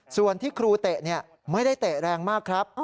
ส่วนที่ครูเตะไม่ได้เตะแรงมากครับ